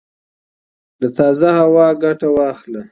له تازه هوا ګټه واخله